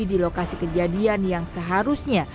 di lokasi kejadian yang seharusnya